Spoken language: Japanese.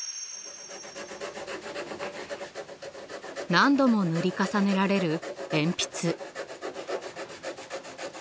何度も塗り重ねられる鉛筆。